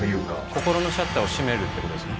心のシャッターを閉めるということですね。